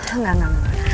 enggak enggak enggak